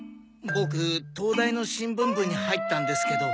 ボク東大の新聞部にはいったんですけど。